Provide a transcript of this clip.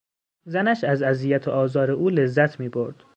زنش از اذیت و آزار او لذت میبرد.